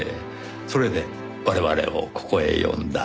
それで我々をここへ呼んだ。